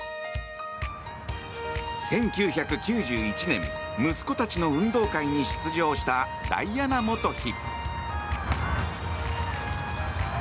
１９９１年、息子たちの運動会に出場したダイアナ元妃。